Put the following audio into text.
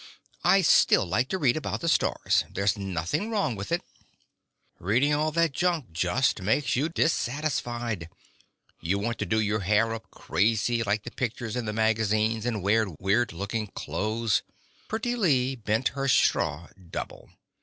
"I still like to read about the stars. There's nothing wrong with it." "Reading all that junk just makes you dissatisfied. You want to do your hair up crazy like the pictures in the magazines and wear weird looking clothes " Pretty Lee bent her straw double.